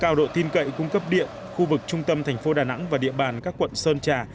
cao độ tin cậy cung cấp điện khu vực trung tâm thành phố đà nẵng và địa bàn các quận sơn trà